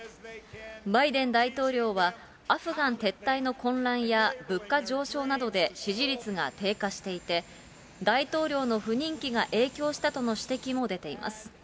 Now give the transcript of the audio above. バイデン大統領は、アフガン撤退の混乱や、物価上昇などで支持率が低下していて、大統領の不人気が影響したとの指摘も出ています。